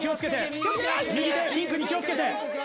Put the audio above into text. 右手ピンクに気をつけて。